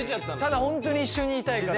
ただ本当に一緒にいたいから。